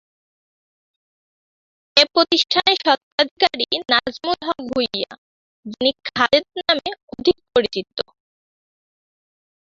এ প্রতিষ্ঠানের স্বত্বাধিকারী নাজমুল হক ভূঁইয়া যিনি "খালেদ" নামে অধিক পরিচিত।